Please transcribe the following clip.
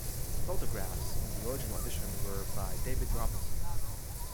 Photographs in the original edition were by David Robinson.